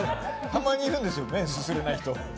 たまにいるんですよねすすれない人。